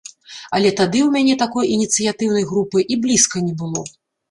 Але тады ў мяне такой ініцыятыўнай групы і блізка не было.